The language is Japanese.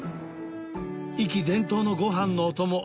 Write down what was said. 壱岐伝統のご飯のお供